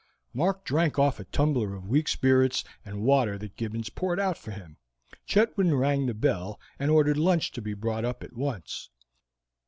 Mark drank off a tumbler of weak spirits and water that Gibbons poured out for him. Chetwynd rang the bell, and ordered lunch to be brought up at once.